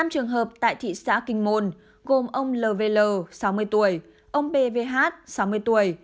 năm trường hợp tại thị xã kinh môn gồm ông lv sáu mươi tuổi ông pvh sáu mươi tuổi